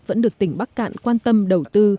vẫn được tỉnh bắc cạn quan tâm đầu tư